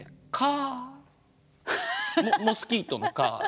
モスキートの蚊。